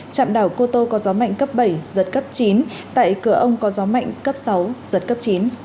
trạm đảo cô tô có gió mạnh cấp bảy giật cấp chín tại cửa ông có gió mạnh cấp sáu giật cấp chín